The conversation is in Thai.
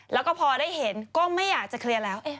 แล้วก็พอได้เห็นก็ไม่อยากจะเคลียร์แล้ว